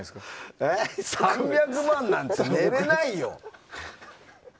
３００万なんて寝れないよ。